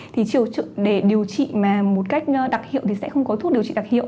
thì để điều trị mà một cách đặc hiệu thì sẽ không có thuốc điều trị đặc hiệu